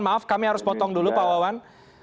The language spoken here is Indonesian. maaf kami harus potong dulu pak wawan